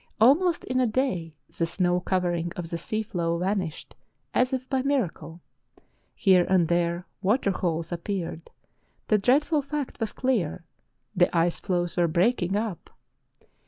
Almost in a day the snow covering of the sea floe vanished, as if by miracle. Here and there water holes appeared — the dreadful fact was clear, the ice floes were breaking up.